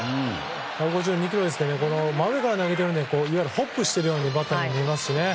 １５２キロですが真上から投げているのでホップしているようにバッターには見えますし。